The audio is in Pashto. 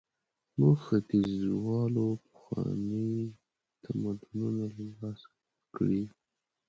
موږ ختیځوالو پخواني تمدنونه له لاسه ورکړي.